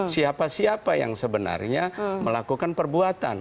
siapa siapa yang sebenarnya melakukan perbuatan